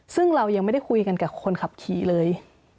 ซึ่งเรายังไม่ได้คุยกันกับคนขับขี่เลย